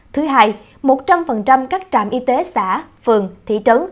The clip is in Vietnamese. thứ hai một trăm linh các trạm y tế xã phường thị trấn